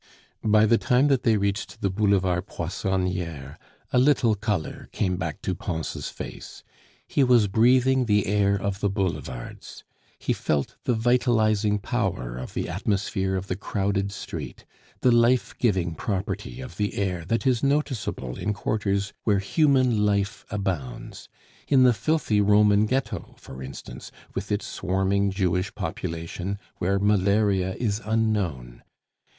By the time that they reached the Boulevard Poissonniere, a little color came back to Pons' face; he was breathing the air of the boulevards, he felt the vitalizing power of the atmosphere of the crowded street, the life giving property of the air that is noticeable in quarters where human life abounds; in the filthy Roman Ghetto, for instance, with its swarming Jewish population, where malaria is unknown.